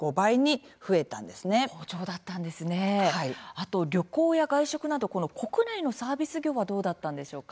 あと旅行や外食などこの国内のサービス業はどうだったんでしょうか？